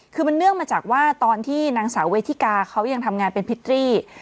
คือมันเนื่องมาจากว่าตอนที่นางสาวเวทิกาเขายังทำงานเป็นพิตรี